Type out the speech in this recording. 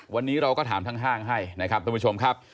วันนี้เราก็ถามทั้งห้างให้นะครับท่านผู้ชมครับ